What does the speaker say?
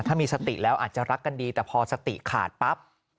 ถ้ามีสติแล้วอาจจะรักกันดีแต่พอสติขาดปั๊บ